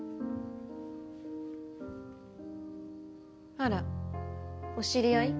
あらお知り合い？